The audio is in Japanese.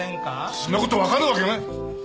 そんな事わかるわけない！